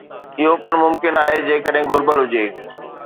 اهو پڻ ممڪن آهي جيڪڏهن گهربل هجي